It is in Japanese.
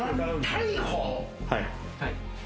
はい。